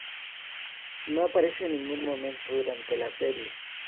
No aparece en ningún momento durante la serie.